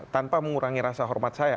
tanpa mengurangi rasa hormat saya